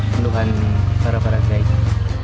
penduhan para para guide